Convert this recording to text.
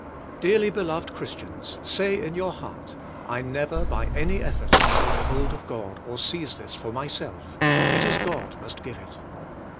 Dearly beloved Christians, say in your heart: "I never, by any effort, can take hold of God, or seize this for m^^self ; it is God must give it."